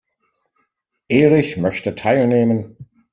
Erich möchte teilnehmen.